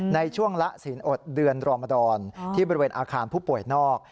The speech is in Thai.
ในช่วงละศีลอดเดือนรอมดรที่บริเวณอาคารผู้ป่วยนอก